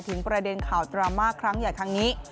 ประเด็นข่าวดราม่าครั้งใหญ่ครั้งนี้